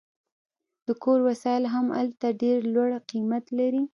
د کور وسایل هم هلته ډیر لوړ قیمت لري